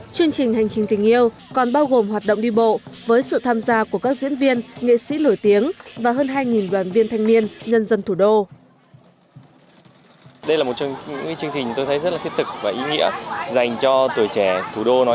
chương trình hành trình tình yêu còn bao gồm hoạt động đi bộ với sự tham gia của các diễn viên nghệ sĩ nổi tiếng và hơn hai đoàn viên thanh niên nhân dân thủ đô